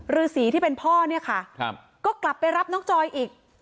ฤษีที่เป็นพ่อเนี่ยค่ะก็กลับไปรับน้องจอยอีก